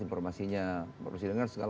informasinya pak presiden kan